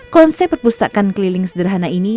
konsep perpustakaan keliling sederhana ini